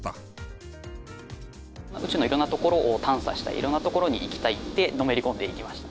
宇宙の色んな所を探査したり色んな所に行きたいってのめり込んでいきました。